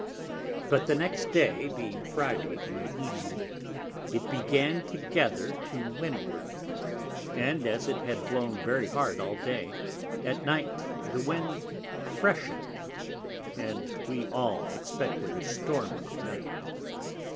But the next Day, being Friday, in the Evening, it began to gather to Windward; and as it had blown very hard all Day, at Night the Wind freshen'd, and we all expected a stormy Night.